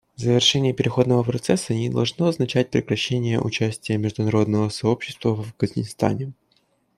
Завершение переходного процесса не должно означать прекращения участия международного сообщества в Афганистане.